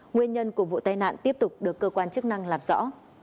nguyên nhân của vụ tai nạn tiếp tục được cơ quan chức năng làm rõ